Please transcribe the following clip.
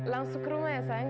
langsung ke rumah ya sayang